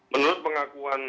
menurut pengakuan dpr